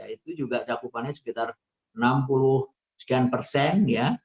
itu juga cakupannya sekitar enam puluh sekian persen ya